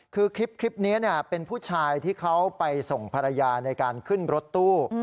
คือคลิปนี้เป็นผู้ชายที่เขาไปส่งภรรยาในการขึ้นรถตู้